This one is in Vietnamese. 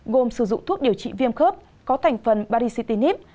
gồm sử dụng thuốc điều trị viêm khớp có thành phần baricitinib